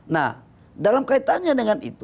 nah dalam kaitannya dengan itu